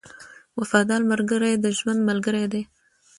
• وفادار ملګری د ژوند ملګری دی.